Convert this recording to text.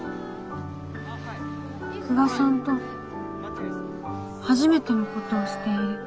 久我さんと初めてのことをしている。